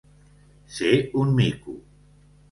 Ser un mico.